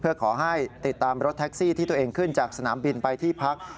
เพื่อขอให้ติดตามรถแท็กซี่ที่ตัวเองขึ้นจากสนามบินไปที่พัก